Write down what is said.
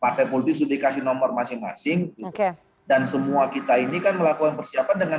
bahkan pak fepulti sudah dikasih nomor masing masing dan semua kita ini kan melakukan persiapan dengan